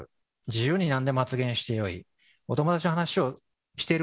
自由に何でも発言してよい。